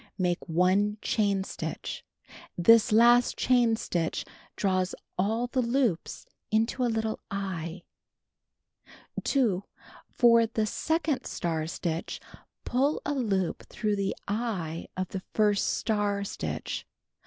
Make 1 chain stitch. This last chain stitch draws all the loops into a little "eye." 2. For the second star stitch, pull a loop through the "eye" of the first star stitch.